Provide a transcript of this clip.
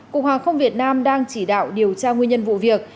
cục hàng không việt nam đang chỉ đạo điều tra nguyên nhân vụ việc